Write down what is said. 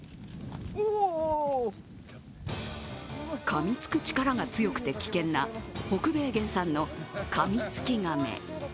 かみつく力が強くて危険な北米原産のカミツキガメ。